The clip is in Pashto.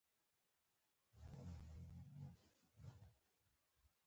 تاسو له کفارو سره دوستي کړې ده.